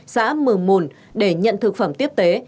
xã mừ mùn để nhận thực phẩm tiếp tế